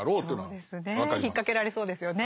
そうですね引っ掛けられそうですよね。